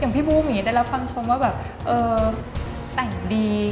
อย่างพี่บูมิได้รับความชมว่าแบบเออแต่งดี